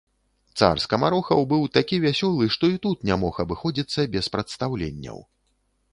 Цар скамарохаў быў такі вясёлы, што і тут не мог абыходзіцца без прадстаўленняў.